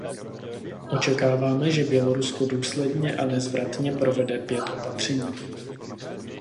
Očekáváme, že Bělorusko důsledně a nezvratně provede pět opatření.